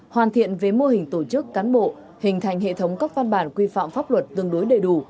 hoàn thiện về mô hình tổ chức cán bộ hình thành hệ thống các văn bản quy phạm pháp luật tương đối đầy đủ